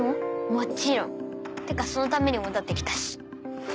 もちろんてかそのために戻ってきたし。